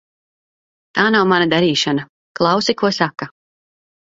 Tā nav mana darīšana. Klausi, ko saka.